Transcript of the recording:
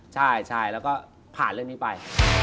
ใช่แล้วก็ผ่านเรื่องนี้ไป